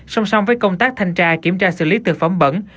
song song với công tác thanh tra kiểm tra xử lý thực phẩm bẩn